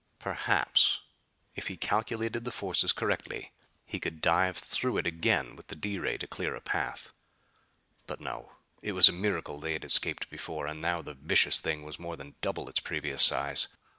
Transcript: Perhaps if he calculated the forces correctly he could dive through it again with the D ray to clear a path. But no. It was a miracle they had escaped before, and now the vicious thing was more than double its previous size.